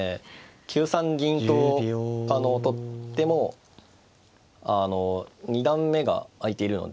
９三銀と取っても二段目が空いているので。